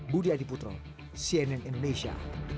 budi adiputro cnn indonesia